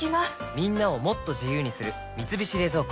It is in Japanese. みんなをもっと自由にする「三菱冷蔵庫」